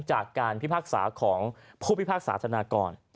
จากการพิพากษาของผู้พิพากษาธนากร